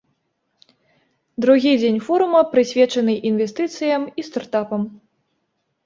Другі дзень форума прысвечаны інвестыцыям і стартапам.